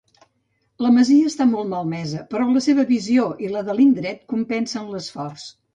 La masia està molt malmesa, però la seva visió i la de l'indret compensen l'esforç.